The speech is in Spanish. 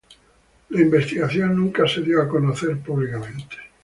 La investigación nunca fue dada a conocer públicamente.